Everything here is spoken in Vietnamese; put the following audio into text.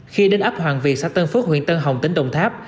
khi đến ấp hoàng việt xã tân phước huyện tân hồng tỉnh đồng tháp